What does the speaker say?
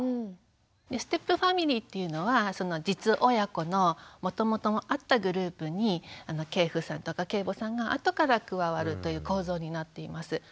ステップファミリーっていうのは実親子のもともとあったグループに継父さんとか継母さんが後から加わるという構造になっています。